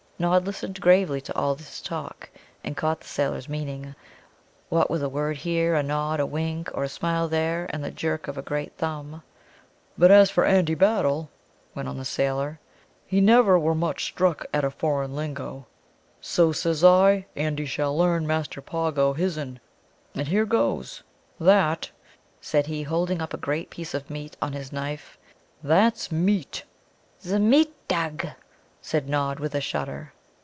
Nod listened gravely to all this talk, and caught the sailor's meaning, what with a word here, a nod, a wink, or a smile there, and the jerk of a great thumb. "But as for Andy Battle," went on the sailor, "he never were much struck at a foreign lingo. So, says I, Andy shall learn Master Pongo his'n. And here goes! That," said he, holding up a great piece of meat on his knife "that's meat." "'Zmeat ugh!" said Nod, with a shudder.